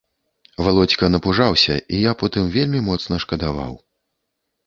Валодзька напужаўся, і я потым вельмі моцна шкадаваў.